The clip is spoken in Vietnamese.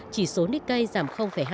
chỉ số nikkei giảm hai